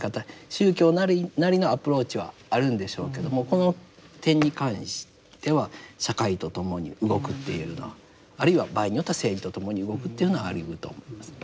宗教なりのアプローチはあるんでしょうけどもこの点に関しては社会と共に動くっていうのはあるいは場合によっては政治と共に動くっていうのはありうると思いますね。